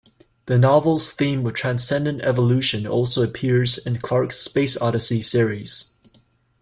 The novel's theme of transcendent evolution also appears in Clarke's "Space Odyssey" series.